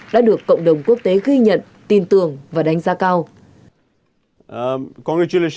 đã được cộng đồng quốc tế ghi nhận tin tưởng và đánh giá cao